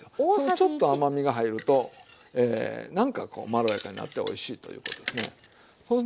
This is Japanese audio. ちょっと甘みが入るとなんかこうまろやかになっておいしいということですね。